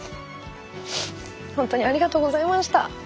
ほんとにありがとうございました。